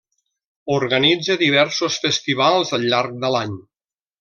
Organitza diversos festivals al llarg de l'any.